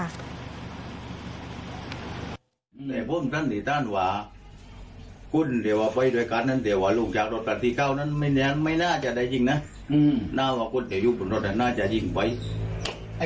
ค่ะล่าสุดนะคะก็ทางพี่ชายของผู้บัตรเจ็บเนี่ยนะคะ